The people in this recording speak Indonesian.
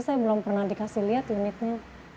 saya belum pernah dikasih lihat unitnya